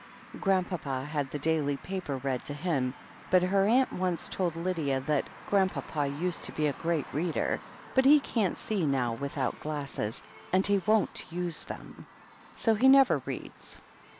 Grandpapa had the daily paper read to him, but her aunt once told Lydia that "Grandpapa used to be a great reader, but he can't see now without glasses, and he won't use them. So he never reads."